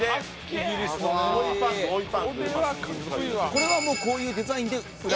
これはもうこういうデザインで売られている？